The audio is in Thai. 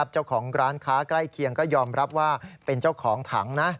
เจ้าของร้านค้าใกล้เคียงก็ยอมรับว่าเป็นเจ้าของถังนะ